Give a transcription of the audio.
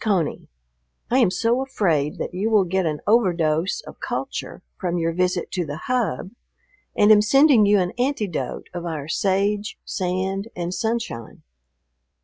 CONEY, ... I am so afraid that you will get an overdose of culture from your visit to the Hub and am sending you an antidote of our sage, sand, and sunshine.